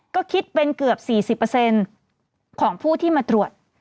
ก็คิดเป็นเกือบ๔๐ของผู้ที่มาตรวจ